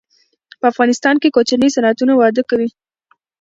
په افغانستان کې کوچني صنعتونه وده کوي.